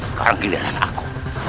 sekarang giliran aku